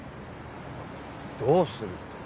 どうするって。